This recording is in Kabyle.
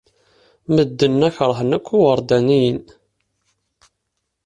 Medden-a keṛhen akk iwerdaniyen.